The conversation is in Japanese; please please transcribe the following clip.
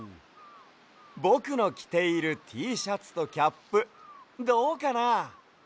ぼくのきているＴシャツとキャップどうかな？